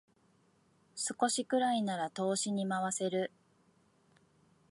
少しくらいなら投資に回せる